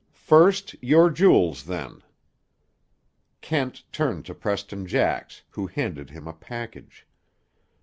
"First, your jewels, then." Kent turned to Preston Jax, who handed him a package.